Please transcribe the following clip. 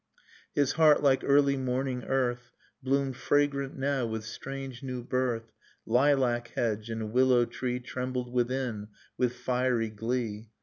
His heart, like early morning earth. Bloomed fragrant now with strange new birth; Lilac hedge and willow tree Trembled within with fiery glee.